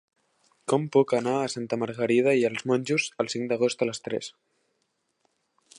Com puc anar a Santa Margarida i els Monjos el cinc d'agost a les tres?